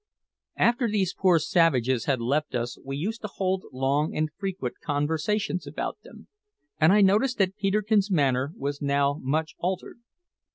After these poor savages had left us we used to hold long and frequent conversations about them, and I noticed that Peterkin's manner was now much altered.